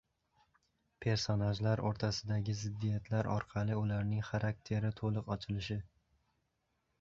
personajlar o‘rtasidagi ziddiyatlar orqali ularning xarakteri to‘liq ochilishi